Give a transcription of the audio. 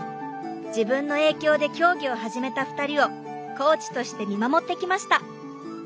自分の影響で競技を始めた２人をコーチとして見守ってきました。